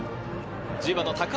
１０番の高足